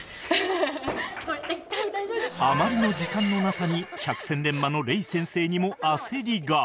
あまりの時間のなさに百戦錬磨のレイ先生にも焦りが